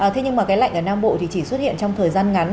thế nhưng mà cái lạnh ở nam bộ thì chỉ xuất hiện trong thời gian ngắn